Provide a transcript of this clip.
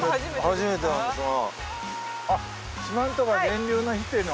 初めてなんですが。